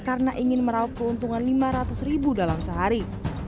karena ingin meraup keuntungan lima ratus ribu dalam sehari